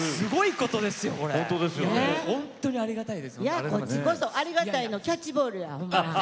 いやこっちこそありがたいのキャッチボールやほんま。